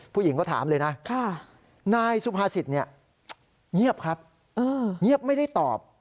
ผู้หญิงก็ถามเลยนะนายสุภาษิตเนี่ยเงียบครับเงียบไม่ได้ตอบ